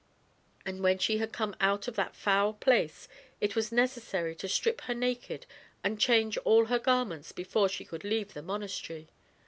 And when she had come out of that foul place it was necessary to strip her naked and change all her garments before she could leave the monastery.